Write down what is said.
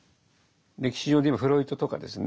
歴史上で言えばフロイトとかですね